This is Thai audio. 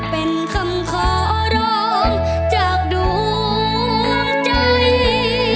เป็นคำขอร้องจากดวงใจ